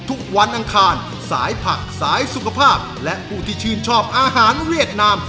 วันอังคารสายผักสายสุขภาพและผู้ที่ชื่นชอบอาหารเวียดนาม